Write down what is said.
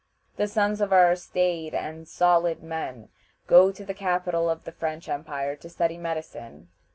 The sons of our staid and "solid men" go to the capital of the French empire to study medicine.